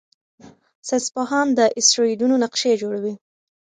ساینسپوهان د اسټروېډونو نقشې جوړوي.